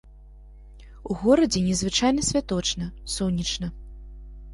У горадзе незвычайна святочна, сонечна.